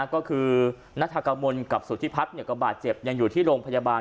ก็คือนัทกมลกับสุธิพัฒน์ก็บาดเจ็บยังอยู่ที่โรงพยาบาล